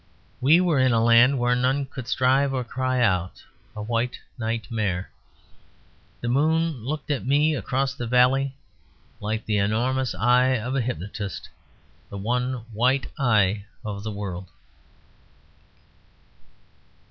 We were in a land where none could strive or cry out; a white nightmare. The moon looked at me across the valley like the enormous eye of a hypnotist; the one white eye of the world.